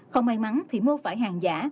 không may mắn thì mua phải hàng giả